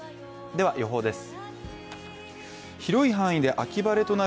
では予報です。